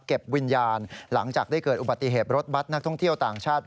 วิญญาณหลังจากได้เกิดอุบัติเหตุรถบัตรนักท่องเที่ยวต่างชาติ